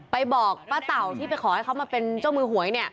บอกป้าเต่าที่ไปขอให้เขามาเป็นเจ้ามือหวย